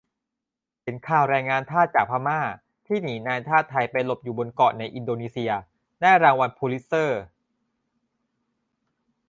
เห็นข่าวแรงงานทาสจากพม่า ที่หนีนายทาสไทยไปหลบอยู่บนเกาะในอินโดนีเซีย ได้รางวัลพูลิตเซอร์